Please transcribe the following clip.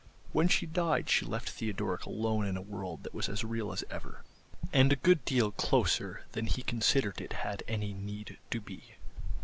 When she died she left Theodoric alone in a world that was as real as ever, and a good deal coarser than he considered it had any need to be.